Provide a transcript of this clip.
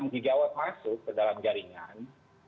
tiga enam gigawatt masuk ke dalam jaringan